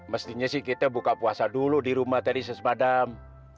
mestinya sih kita buka puasa dulu di rumah tadi sesepadam